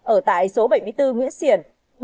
ở tại số bảy mươi bốn nguyễn xiển